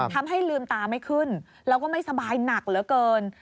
ทำให้ลืมตาไม่ขึ้นแล้วก็ไม่สบายหนักเหลือเกิน